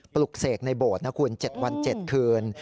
ปลุกเสกในโบสถ์นะคุณ๗วัน๗คืน